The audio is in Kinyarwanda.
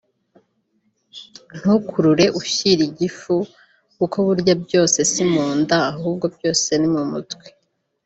ntukurure ushyira igifu kuko burya byose si mu nda ahubwo byose ni mu mutwe